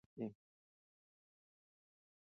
ټولنیز چلند د کلتوري ارزښتونو له اغېزه نه خلاصېږي.